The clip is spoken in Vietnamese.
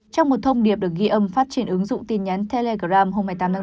trong một thông điệp được ghi âm phát trên ứng dụng tin nhắn telegram hôm hai mươi tám tháng ba